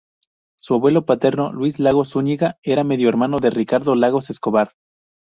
Su abuelo paterno, Luis Lagos Zúñiga, era medio hermano de Ricardo Lagos Escobar.